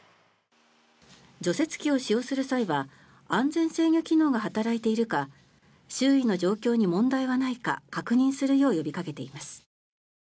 除雪機を使用する際は安全制御機能が働いているか周囲の状況に問題はないか確認するよう呼びかけています。